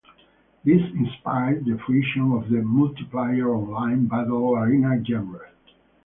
These inspired the fruition of the multiplayer online battle arena genre.